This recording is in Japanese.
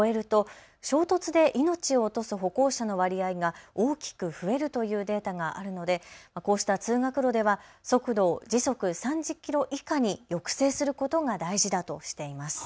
車の速度が３０キロを超えると衝突で命を落とす歩行者の割合が大きく増えるというデータがあるので、こうした通学路では速度を時速３０キロ以下に抑制することが大事だとしています。